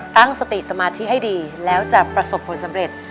ตั้งสติสมาธิให้ดีแล้วจะประสบผลสำเร็จ